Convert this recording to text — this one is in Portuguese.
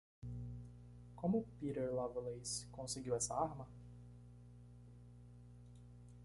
Como Peter Lovelace conseguiu essa arma?